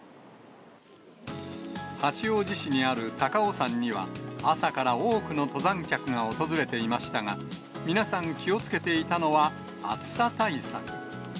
八王子市にある高尾山には、朝から多くの登山客が訪れていましたが、皆さん、気をつけていたのは暑さ対策。